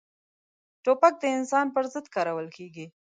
توپک د انسان پر ضد کارول کېږي.